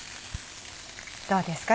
どうですか？